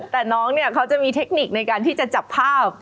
แต่น้องเนี่ยเขาจะมีเทคนิคในการที่จะจับภาพ